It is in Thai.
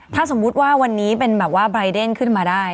ถ้าสมมติว่าวันนี้บราไดน์ขึ้นมาได้